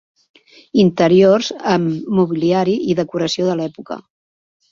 Interiors amb mobiliari i decoració de l'època.